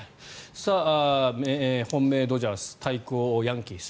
本命、ドジャース対抗、ヤンキース。